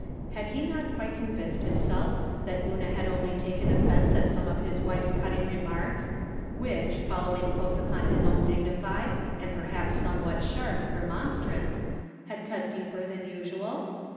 Had he not quite convinced himself that Una had only taken offense at some of liis wife's cutting remarks, which, following close upon his own dignified, and, perhaps, some what sharp, remonstrance, had cut deeper than usual